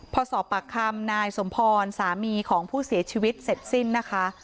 พอสอบปากคำนายสมพรสามีของผู้เสียชีวิตเสร็จสิ้นนะคะ